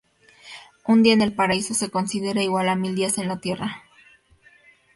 Un día en el paraíso se considera igual a mil días en la tierra.